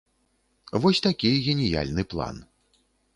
Вось такі геніяльны план.